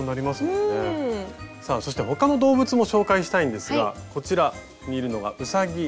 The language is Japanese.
うん！さあそして他の動物も紹介したいんですがこちらにいるのがうさぎ。